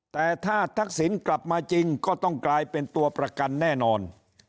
แต่ถ้าทักษิณกลับมาจริงก็ต้องกลายเป็นตัวประกันแน่นอน